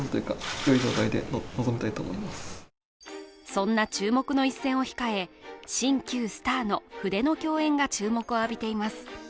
そんな注目の一戦を控え新旧スターの筆の共演が注目を浴びています。